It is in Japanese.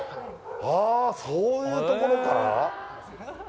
ああそういうところから？